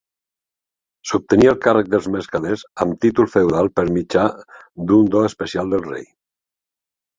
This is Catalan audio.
S'obtenia el càrrec dels mercaders amb títol feudal per mitjà d'un do especial del rei.